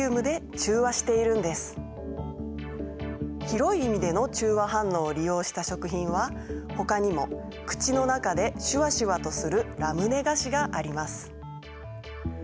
広い意味での中和反応を利用した食品はほかにも口の中でシュワシュワとするラムネ菓子があります。